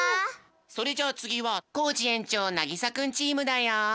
それじゃあつぎはコージ園長なぎさくんチームだよ。